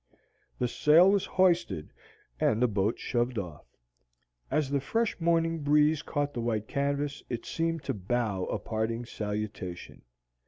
The sail was hoisted, and the boat shoved off. As the fresh morning breeze caught the white canvas it seemed to bow a parting salutation.